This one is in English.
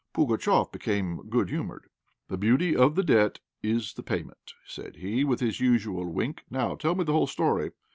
Pugatchéf became good humoured. "The beauty of a debt is the payment!" said he, with his usual wink. "Now, tell me the whole story.